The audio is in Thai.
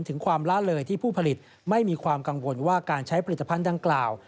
ถึงความละเลยที่ผู้ผลิตไม่มีความกังวลว่าการใช้ผลิตภัณฑ์ดังกล่าว